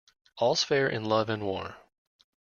All's fair in love and war.